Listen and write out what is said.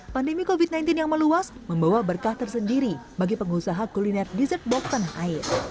pandemi covid sembilan belas yang meluas membawa berkah tersendiri bagi pengusaha kuliner dessert box tanah air